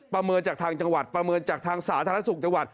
ประเมินจากทางจังหวัดประเมินจากทางสาธารณสุขจังหวัด